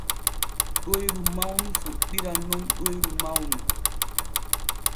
Ɗoyru mawnu fuɗɗiran nun ɗoyru mawnu.